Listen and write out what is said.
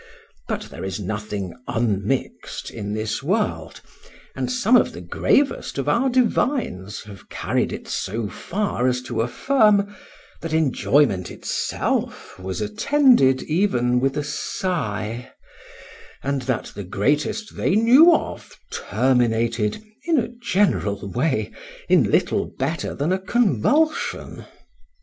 —But there is nothing unmix'd in this world; and some of the gravest of our divines have carried it so far as to affirm, that enjoyment itself was attended even with a sigh,—and that the greatest they knew of terminated, in a general way, in little better than a convulsion.